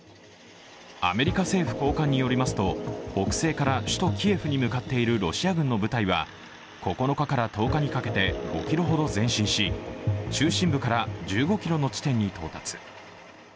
アメリカ政府高官によりますと北西から首都キエフに向かっているロシア軍の部隊は９日から１０日にかけて５ｋｍほど前進し中心部から１５ｋｍの地点に到達。